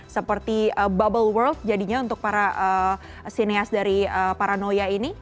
seperti bubble world jadinya untuk para sineas dari paranoia ini